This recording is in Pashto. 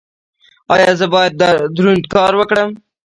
ایا زه باید دروند کار وکړم؟